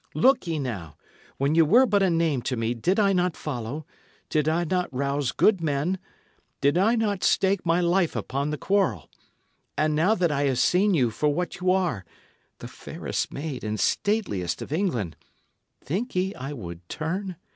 Look ye, now, when ye were but a name to me, did I not follow did I not rouse good men did I not stake my life upon the quarrel? And now that I have seen you for what ye are the fairest maid and stateliest of England think ye I would turn?